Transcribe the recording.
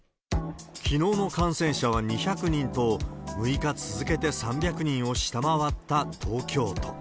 きのうの感染者は２００人と、６日続けて３００人を下回った東京都。